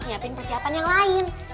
nyiapin persiapan yang lain